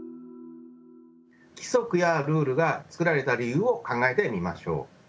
規則やルールが作られた理由を考えてみましょう。